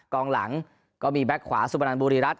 กล้องหลังก็มีแบ็คขวาสุบันดาลบูริรัติ